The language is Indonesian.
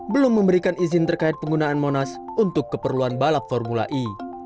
belum memberikan izin terkait penggunaan monas untuk keperluan balap formula e